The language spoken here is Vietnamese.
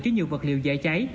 chứa nhiều vật liệu dễ cháy